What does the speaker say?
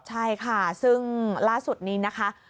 ใช่ค่ะซึ่งล่าสุดนี้นะคะ